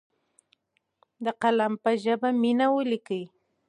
د قلم په ژبه مینه ولیکئ.